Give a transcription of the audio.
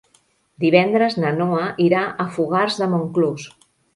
Divendres na Noa irà a Fogars de Montclús.